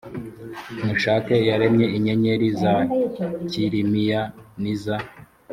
mushake iyaremye inyenyeri za kilimiya n iza